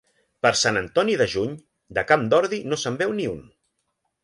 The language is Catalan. Per Sant Antoni de juny, de camp d'ordi no se'n veu ni un.